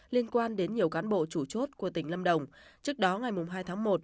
liên quan đến nhiều cán bộ chủ chốt của tỉnh lâm đồng trước đó ngày hai tháng một